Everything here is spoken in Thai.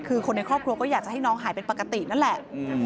คือคนในครอบครัวก็อยากจะให้น้องหายเป็นปกตินั่นแหละ